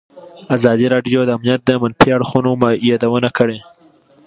ازادي راډیو د امنیت د منفي اړخونو یادونه کړې.